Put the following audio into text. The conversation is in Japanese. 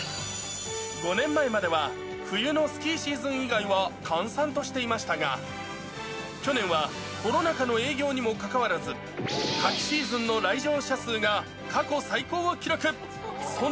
５年前までは冬のスキーシーズン以外は閑散としていましたが、去年はコロナ禍の営業にもかかわらず、夏季シーズンの来場者数が過去最高を記録。